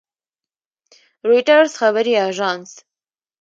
رویټرز خبري اژانس